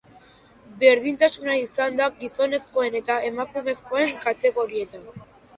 Berdintasuna izan da gizonezkoen eta emakumezkoen kategorietan.